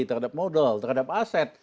terhadap modal terhadap aset